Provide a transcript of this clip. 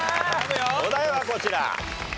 お題はこちら。